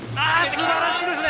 素晴らしいですね。